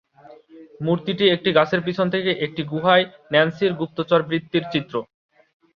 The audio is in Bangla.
মূর্তিটি একটি গাছের পিছন থেকে একটি গুহায় ন্যান্সির গুপ্তচরবৃত্তির চিত্র।